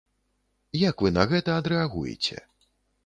Як вы на гэта адрэагуеце?